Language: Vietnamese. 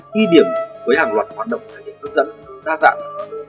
khi điểm với hàng loạt hoạt động thay đổi hấp dẫn đa dạng